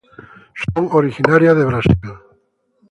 Son originarias de Brasil.